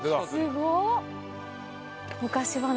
すごっ！